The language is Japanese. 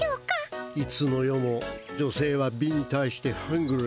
いつの世も女せいは美に対してハングリー。